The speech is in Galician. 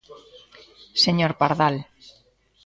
Señor Pardal.